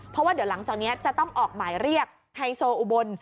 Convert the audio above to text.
เพราะว่าเดี๋ยวหลังจากนี้จะต้องออกหมายเรียกไฮโซอุบล